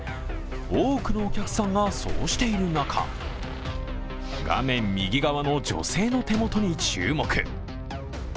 多くのお客さんがそうしている中画面右側の女性の手元に注目。